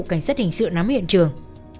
cảnh sát hình sự nắm hiện trường